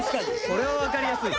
これは分かりやすい。